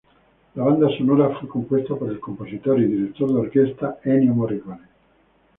La banda sonora fue compuesta por el compositor y director de orquesta Ennio Morricone.